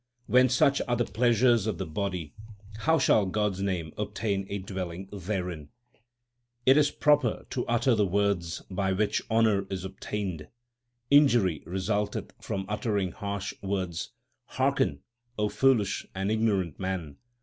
When such are the pleasures of the body, how shall God s name obtain a dwelling therein ? It is proper to utter the words by which honour is obtained. Injury resulteth from uttering harsh words ; hearken, O foolish and ignorant man.